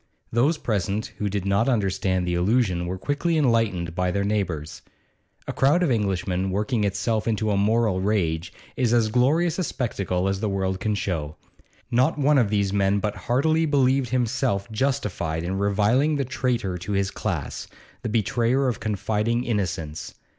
Those present who did not understand the allusion were quickly enlightened by their neighbours. A crowd of Englishmen working itself into a moral rage is as glorious a spectacle as the world can show. Not one of these men but heartily believed himself justified in reviling the traitor to his class, the betrayer of confiding innocence.